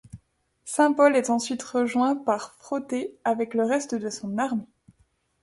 Saint-Paul est ensuite rejoint par Frotté avec le reste de son armée.